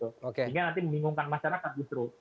sehingga nanti membingungkan masyarakat justru